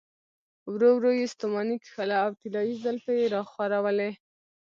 ورو ورو يې ستوماني کښله او طلايې زلفې يې راخورولې.